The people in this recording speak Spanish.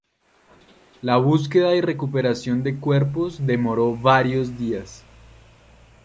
La búsqueda y recuperación de cuerpos demoró varios días.